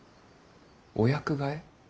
お役替え。